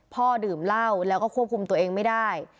ดื่มเหล้าแล้วก็ควบคุมตัวเองไม่ได้